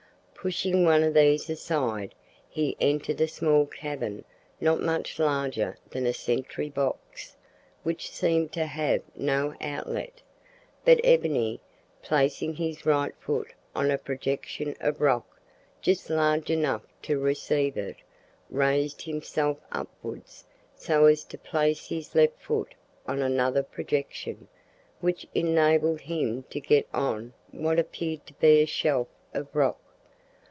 Pushing one of these aside, he entered a small cavern not much larger than a sentry box, which seemed to have no outlet; but Ebony, placing his right foot on a projection of rock just large enough to receive it, raised himself upwards so as to place his left foot on another projection, which enabled him to get on what appeared to be a shelf of rock.